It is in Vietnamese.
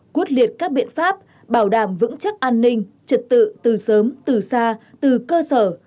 quyết liệt các biện pháp bảo đảm vững chắc an ninh trật tự từ sớm từ xa từ cơ sở